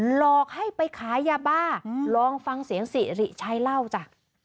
หลอกให้ไปขายยาบ้าลองฟังเสียงสิริชัยเล่าจ้ะ